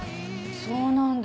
そうなんだ。